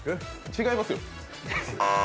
違います。